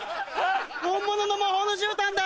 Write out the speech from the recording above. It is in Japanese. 本物の魔法のじゅうたんだ！